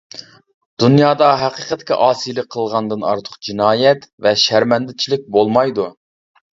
دۇنيادا ھەقىقەتكە ئاسىيلىق قىلغاندىن ئارتۇق جىنايەت ۋە شەرمەندىچىلىك بولمايدۇ.